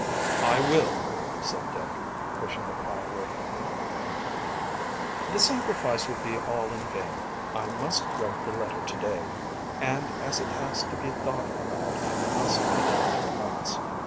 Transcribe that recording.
"I will," said Dick, pushing the pie away from him. "The sacrifice would be all in vain. I must write the letter to day, and as it has to be thought about I must begin it at once.